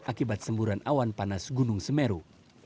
akibat semburan awan panas gunung semeru